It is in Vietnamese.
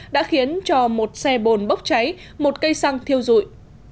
đã khiến cho một xe bồn bốc cháy một cây xăng thiêu dụi